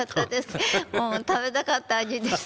もう食べたかった味です。